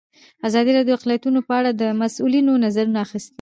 ازادي راډیو د اقلیتونه په اړه د مسؤلینو نظرونه اخیستي.